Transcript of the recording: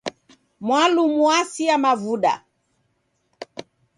Mwalumu wasia mavuda.